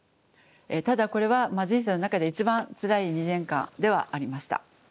ただこれは人生の中で一番つらい２年間ではありました。